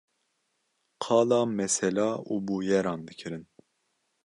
Qala mesela û bûyeran dikirin